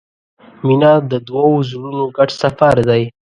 • مینه د دوو زړونو ګډ سفر دی.